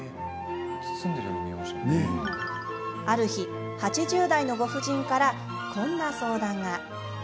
ある日、８０代のご婦人からこんな相談が。